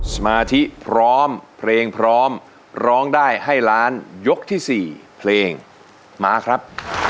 สมาธิพร้อมเพลงพร้อมร้องได้ให้ล้านยกที่๔เพลงมาครับ